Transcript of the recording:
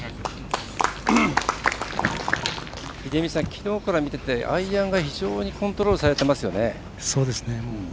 秀道さんきのうから見ててアイアンが非常にコントロールされていますよね。